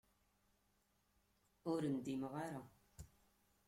Ur ndimeɣ ara.